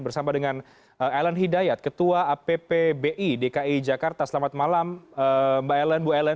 bersama dengan ellen hidayat ketua appbi dki jakarta selamat malam mbak ellen bu ellen